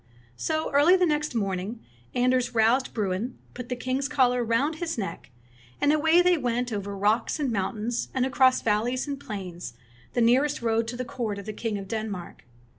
So early the next morning Anders roused Bruin, put the king's collar round his neck, and away they went over rocks and moun tains, and across valleys and plains, the near est road to the court of the king of Denmark.